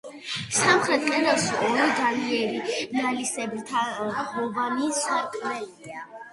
სამხრეთ კედელში ორი განიერი, ნალისებრთაღოვანი სარკმელია.